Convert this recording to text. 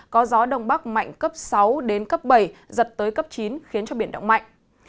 có gió đông bắc mạnh cấp sáu đến cấp bảy giật tới cấp chín khiến cho biển động mạnh